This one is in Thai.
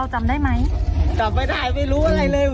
ตามไปถ่ายไม่รู้อะไรเลย